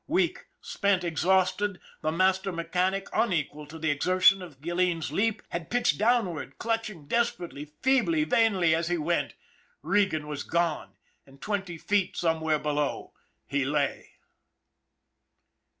Weak, spent, exhausted, the master mechanic, unequal to the exertion of Gilleen's leap, had pitched downward, clutching desperately, feebly, vainly, as he went. Regan was gone, and twenty feet, somewhere, below he lay.